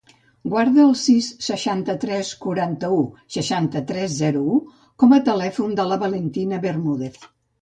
Guarda el sis, seixanta-tres, quaranta-u, seixanta-tres, zero, u com a telèfon de la Valentina Bermudez.